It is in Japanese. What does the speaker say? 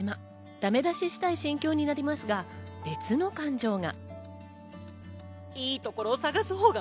だめ出ししたい心境になりますが、別の感情が。